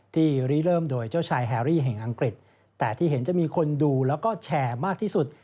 รีเริ่มโดยเจ้าชายแฮรี่แห่งอังกฤษแต่ที่เห็นจะมีคนดูแล้วก็แชร์มากที่สุด